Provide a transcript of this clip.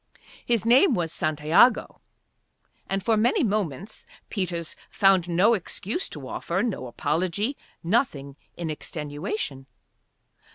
His name was Santiago. And for many moments Peters found no excuse to offer, no apology, nothing in extenuation.